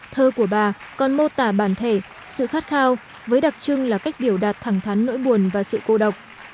thơ của bà còn mô tả bản thể sự khát khao với đặc trưng là cách biểu đạt thẳng thắn nỗi buồn và sự cô độc